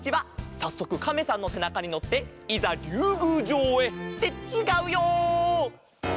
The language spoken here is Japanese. さっそくカメさんのせなかにのっていざりゅうぐうじょうへ。ってちがうよ！